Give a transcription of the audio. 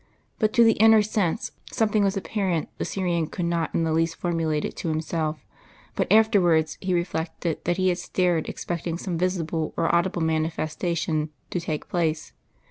But to the inner sense something was apparent the Syrian could not in the least formulate it to himself; but afterwards he reflected that he had stared expecting some visible or audible manifestation to take place.